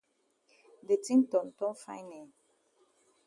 De tin ton ton fine eh.